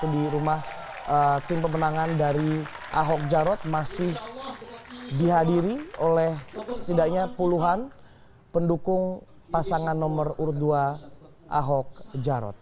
di rumah tim pemenangan dari ahok jarot masih dihadiri oleh setidaknya puluhan pendukung pasangan nomor urut dua ahok jarot